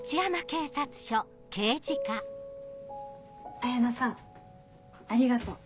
彩菜さんありがとう。